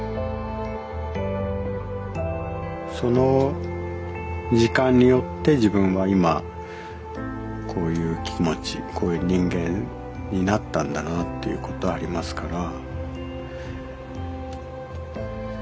その時間によって自分は今こういう気持ちこういう人間になったんだなっていう事はありますから。